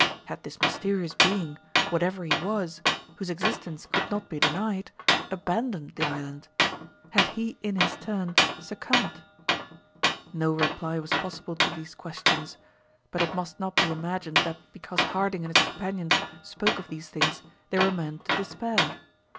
Had this mysterious being, whatever he was, whose existence could not be denied, abandoned the island? Had he in his turn succumbed? No reply was possible to these questions. But it must not be imagined that because Harding and his companions spoke of these things, they were men to despair.